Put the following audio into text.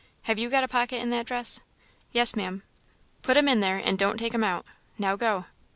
Have you got a pocket in that dress?" "Yes, Ma'am." "Put 'em in there, and don't take 'em out. Now, go."